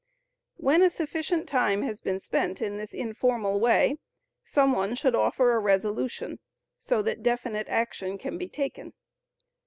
When a sufficient time has been spent in this informal way, some one should offer a resolution, so that definite action can be taken.